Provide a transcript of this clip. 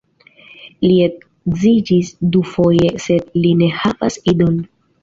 Li edziĝis dufoje, sed li ne havas idon.